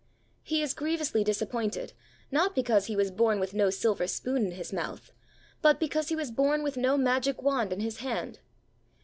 He is grievously disappointed, not because he was born with no silver spoon in his mouth, but because he was born with no magic wand in his hand.